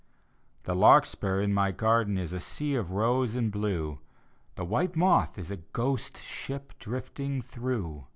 The larkspur in my garden Is a sea of rose and blue, The white moth is a ghost ship Drifting through.